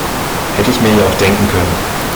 Hätte ich mir ja auch denken können.